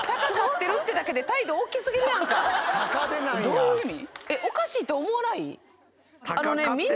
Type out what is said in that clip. どういう意味？